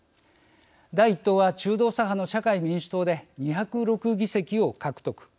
第１党は中道左派の社会民主党で２０６議席を獲得。